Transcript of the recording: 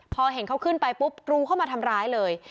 พอเห็นเขาขึ้นไปปุ๊บกรูเข้ามาทำร้ายเลย